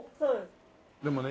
でもね